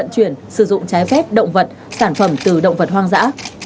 chuyển sử dụng trái phép động vật sản phẩm từ động vật hoang dã